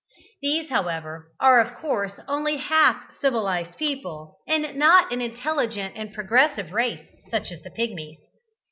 These, however, are of course only half civilized people, and not an intelligent and progressive race such as the Pigmies.